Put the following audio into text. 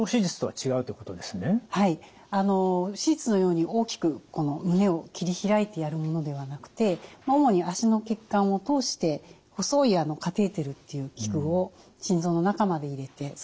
はい手術のように大きく胸を切り開いてやるものではなくて主に脚の血管を通して細いカテーテルという器具を心臓の中まで入れてそれで治療をします。